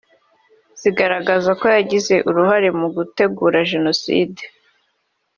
zigaragaza ko yagize uruhare mu gutegura Jenoside